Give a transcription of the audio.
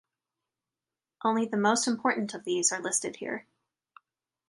Only the most important of these are listed here.